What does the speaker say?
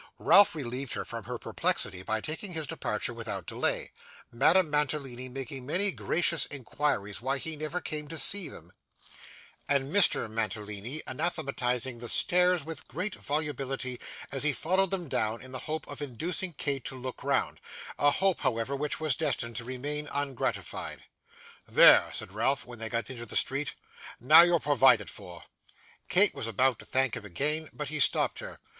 Ralph relieved her from her perplexity by taking his departure without delay: Madame Mantalini making many gracious inquiries why he never came to see them; and Mr. Mantalini anathematising the stairs with great volubility as he followed them down, in the hope of inducing Kate to look round, a hope, however, which was destined to remain ungratified. 'There!' said Ralph when they got into the street; 'now you're provided for.' Kate was about to thank him again, but he stopped her.